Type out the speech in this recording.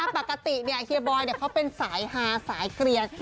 ปกติเฮียบอยเขาเป็นสายฮาสายเกลียน